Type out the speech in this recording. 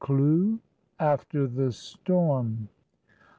CLOUD AFTER THE STORM.